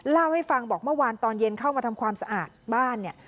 เล่าให้ฟังบอกเมื่อวานตอนเย็นเข้ามาทำความสะอาดบ้านเนี่ย